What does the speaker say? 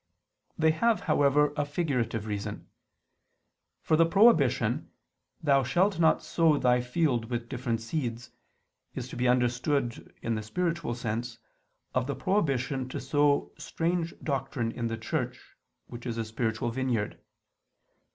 They have, however, a figurative reason. For the prohibition: "Thou shalt not sow thy field with different seeds," is to be understood, in the spiritual sense, of the prohibition to sow strange doctrine in the Church, which is a spiritual vineyard.